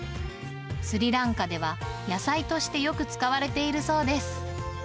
スリランカでは野菜としてよく使われているそうです。